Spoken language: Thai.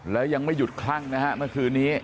แล้วยังไม่หยุดคลั่งนะฮะเมื่อคืนนี้